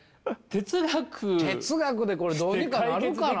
哲学でこれどうにかなるかな？